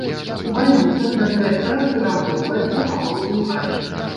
У бальніцах да дырэктара прыраўноўваецца галоўны ўрач.